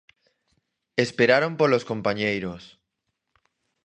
Esperaron polos compañeiros.